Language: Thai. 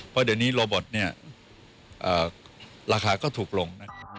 เพราะเดี๋ยวนี้โรบอทเนี่ยราคาก็ถูกลง